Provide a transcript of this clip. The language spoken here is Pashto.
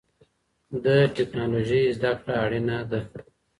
د ټکنالوژۍ زده کړه اړینه ده.